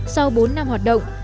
sau bốn năm hoạt động